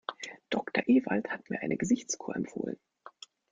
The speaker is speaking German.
Doktor Ewald hat mir eine Gesichtskur empfohlen.